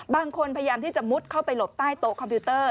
พยายามที่จะมุดเข้าไปหลบใต้โต๊ะคอมพิวเตอร์